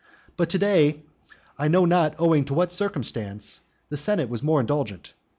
But to day I know not owing to what circumstance the senate was more indulgent.